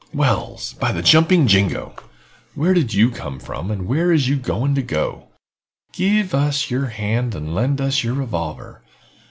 "Wells, by the jumping jingo! Where did you come from and where is you going to? Give us yer hand and lend us yer revolver.